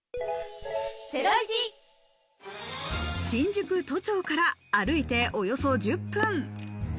新宿・都庁から歩いておよそ１０分。